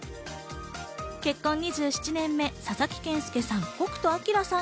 結婚２７年目、佐々木健介さん・北斗晶さん